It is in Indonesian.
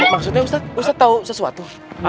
maksudnya ustadz ustadz tahu sesuatu